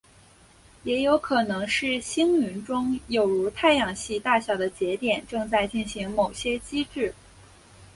也有可能是星云中有如太阳系大小的节点正在进行某些机制。